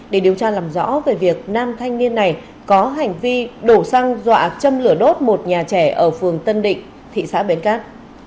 để điều tra làm rõ về việc nam thanh niên này có hành vi đổ xăng dọa châm lửa đốt một nhà trẻ ở phường tân định thị xã bến cát